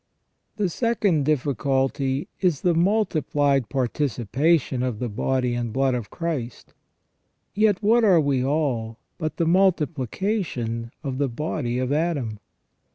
* The second difficulty is the multiplied participation of the body and blood of Christ. Yet what are we all but the multiplication of the body of Adam.